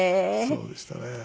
そうでしたね。